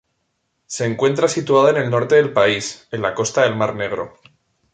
Se encuentra situada en el norte del país, en la costa del mar Negro.